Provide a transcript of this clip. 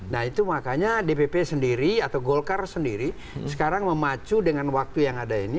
nah itu makanya dpp sendiri atau golkar sendiri sekarang memacu dengan waktu yang ada ini